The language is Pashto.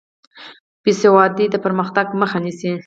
بېسوادي د پرمختګ مخه نیسي.